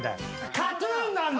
ＫＡＴ−ＴＵＮなんだ！